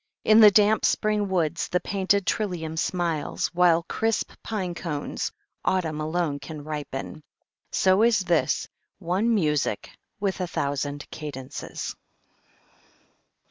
In the damp Spring woods The painted trillium smiles, while crisp pine cones Autumn alone can ripen. So is this One music with a thousand cadences.